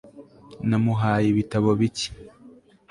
namuhaye ibitabo bike